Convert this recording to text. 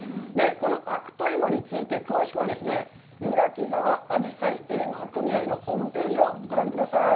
この悪戸いもについて、詳しくはですね、村木沢あじさい営農組合のホームページをご覧ください。